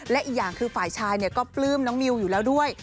และอีกอย่างคือฝ่ายชายก็ปลื้มน้องมิวอยู่แล้วด้วย